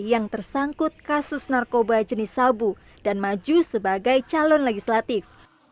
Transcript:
yang tersangkut kasus narkoba jenis sabu dan maju sebagai calon legislatif